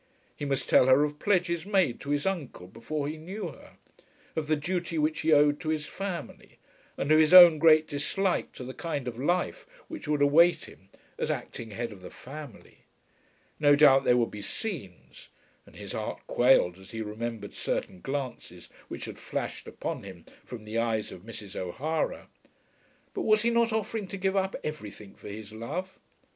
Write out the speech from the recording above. He must tell her of pledges made to his uncle before he knew her, of the duty which he owed to his family, and of his own great dislike to the kind of life which would await him as acting head of the family. No doubt there would be scenes, and his heart quailed as he remembered certain glances which had flashed upon him from the eyes of Mrs. O'Hara. But was he not offering to give up everything for his love?